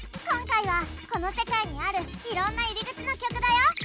今回はこの世界にあるいろんな入り口の曲だよ。